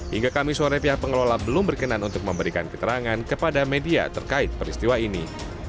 hingga kamis sore pihak pengelola belum berkenan untuk memberikan keterangan kepada media terkait peristiwa ini